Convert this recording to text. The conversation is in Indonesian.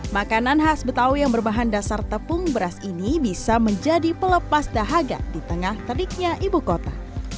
makanan khas betawi yang berbahan dasar tepung beras ini bisa menjadi pelepas dahaga di tengah teriknya ibu kota